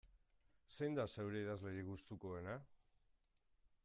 Zein da zeure idazlerik gustukoena?